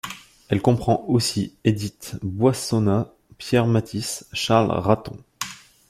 Elle comprend aussi Édith Boissonnas, Pierre Matisse, Charles Ratton.